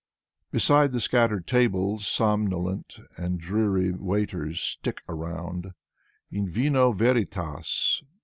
Beside the scattered tables, somnolent And dreary waiters stick around. "/» vino Veritas!'